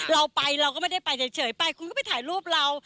เราไปเราก็ไม่ได้ไปเฉยไปคุณก็ไปถ่ายรูปเรา